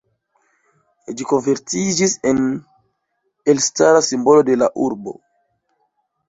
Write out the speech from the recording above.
Ĝi konvertiĝis en elstara simbolo de la urbo.